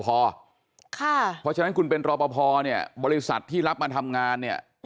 เพราะฉะนั้นคุณเป็นรอปภบริษัทที่รับมาทำงาน